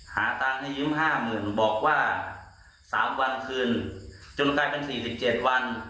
หาตังค์ให้ยืม๕๐๐๐บอกว่า๓วันคืนจนกลายเป็น๔๗วัน